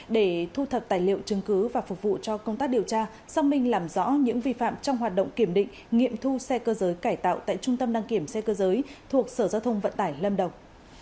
để thu thập tài liệu chứng cứ và phục vụ cho công tác điều tra xác minh làm rõ những vi phạm trong hoạt động kiểm định nghiệm thu xe cơ giới cải tạo tại trung tâm đăng kiểm xe cơ giới thuộc sở giao thông vận tải lâm đồng